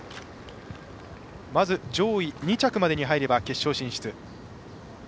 まず、上位２着までに入れば決勝進出。